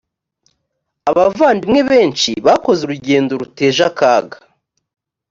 abavandimwe benshi bakoze urugendo ruteje akaga .